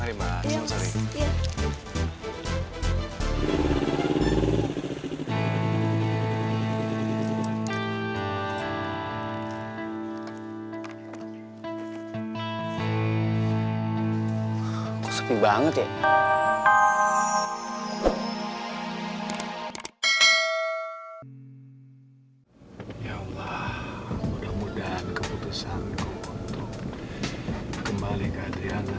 ya allah mudah mudahan keputusan ku untuk kembali ke adriana